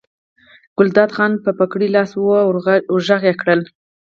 ګلداد خان په پګړۍ لاس وواهه ور غږ یې کړل.